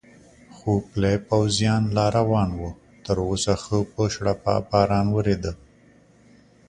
خو پلی پوځیان لا روان و، تراوسه ښه په شړپا باران ورېده.